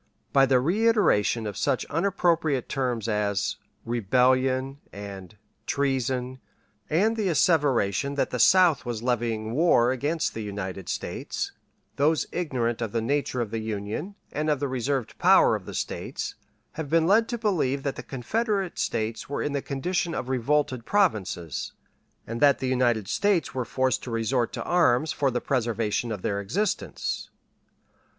By the reiteration of such unappropriate terms as "rebellion" and "treason," and the asseveration that the South was levying war against the United States, those ignorant of the nature of the Union, and of the reserved powers of the States, have been led to believe that the Confederate States were in the condition of revolted provinces, and that the United States were forced to resort to arms for the preservation of their existence.